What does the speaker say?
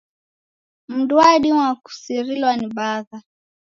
Mndu wadima kusirilwa ni bagha.